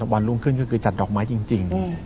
วันรุ่งขึ้นก็คือจัดดอกไม้จริง